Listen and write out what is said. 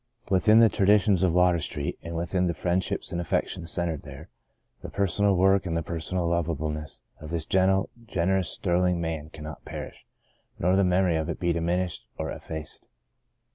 Within the traditions of Water Street, and within the friendships and affections centred there, the personal work and the personal lovableness of this gentle, generous, sterling man cannot perish, nor the memory of it be diminished or effaced.